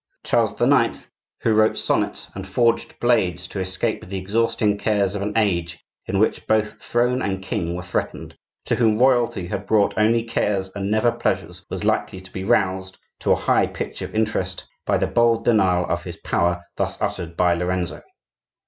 Charles IX., who wrote sonnets and forged blades to escape the exhausting cares of an age in which both throne and king were threatened, to whom royalty had brought only cares and never pleasures, was likely to be roused to a high pitch of interest by the bold denial of his power thus uttered by Lorenzo.